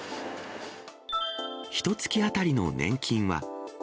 ひとつき当たりの年金は。